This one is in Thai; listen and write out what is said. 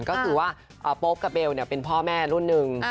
ก็คือว่าโป๊ปกับเบลเป็นพ่อแม่รุ่นหนึ่ง